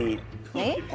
えっ？